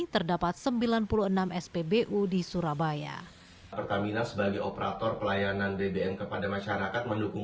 terdapat sembilan puluh enam spbu di surabaya pertamina sebagai operator pelayanan bbm kepada masyarakat mendukung